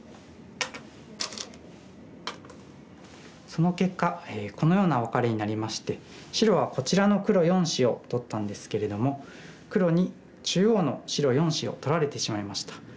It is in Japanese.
その結果このようなワカレになりまして白はこちらの黒４子を取ったんですけれども黒に中央の白４子を取られてしまいました。